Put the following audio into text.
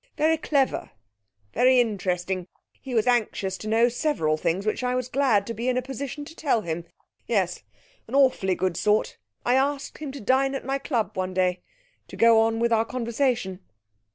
Very clever, very interesting. He was anxious to know several things which I was glad to be in a position to tell him. Yes an awfully good sort. I asked him to dine at my club one day, to go on with our conversation.'